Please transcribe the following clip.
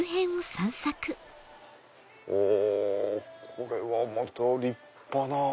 これはまた立派な。